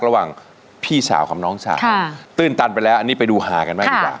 ระหว่างพี่สาวของน้องชายตื้นตันไปแล้วอันนี้ไปดูฮากันบ้างดีกว่า